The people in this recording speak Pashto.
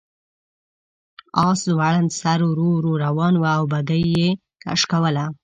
آس ځوړند سر ورو ورو روان و او بګۍ یې کش کوله.